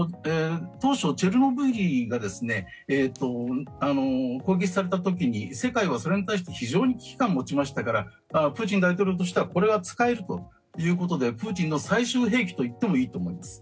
当初、チェルノブイリが攻撃された時に世界はそれに対して非常に危機感を持ちましたからプーチン大統領としてはこれは使えるということでプーチンの最終兵器といってもいいと思います。